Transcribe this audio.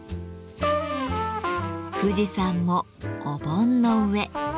富士山もお盆の上。